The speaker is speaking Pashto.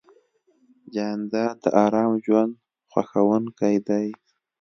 جانداد د ارام ژوند خوښوونکی دی.